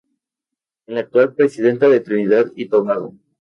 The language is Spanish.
Es la actual presidenta de Trinidad y Tobago.